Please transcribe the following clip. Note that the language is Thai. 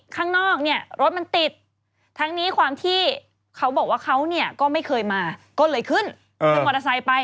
ข้างนอกรถมันติด